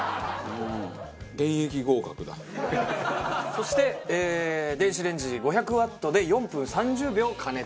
そして電子レンジで５００ワットで４分３０秒加熱します。